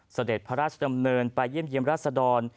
เสด็จพระราชดำเนินไปเยี่ยมเยี่ยมราชดร